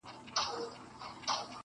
خدای انډیوال که جانان څۀ ته وایي,